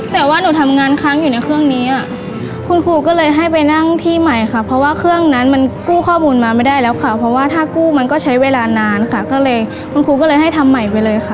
แต่ว่าหนูทำงานค้างอยู่ในเครื่องนี้อ่ะคุณครูก็เลยให้ไปนั่งที่ใหม่ค่ะเพราะว่าเครื่องนั้นมันกู้ข้อมูลมาไม่ได้แล้วค่ะเพราะว่าถ้ากู้มันก็ใช้เวลานานค่ะก็เลยคุณครูก็เลยให้ทำใหม่ไปเลยค่ะ